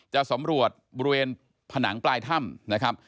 จะสำรวจบริเวณผนังปลายถ้ำนะครับ